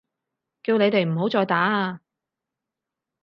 叫你哋唔好再打啊！